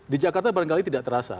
di jakarta barangkali tidak terasa